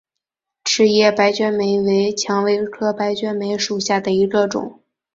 齿叶白鹃梅为蔷薇科白鹃梅属下的一个种。